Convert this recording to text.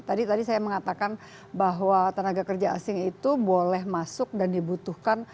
tadi saya mengatakan bahwa tenaga kerja asing itu boleh masuk dan dibutuhkan